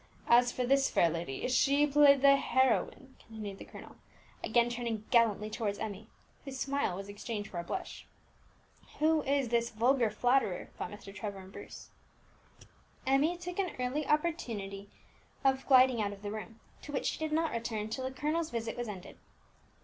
"As for this fair lady, she played the heroine," continued the colonel, again turning gallantly towards Emmie, whose smile was exchanged for a blush. "Who is this vulgar flatterer?" thought Mr. Trevor and Bruce. Emmie took an early opportunity of gliding out of the room, to which she did not return till the colonel's visit was ended.